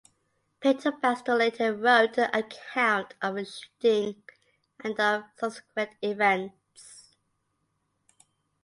Pinto Basto later wrote an account of the shooting and of subsequent events.